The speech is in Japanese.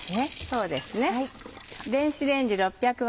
そうですね。